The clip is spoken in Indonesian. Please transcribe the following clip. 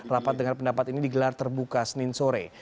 rapat dengan pendapat ini digelar terbuka senin sore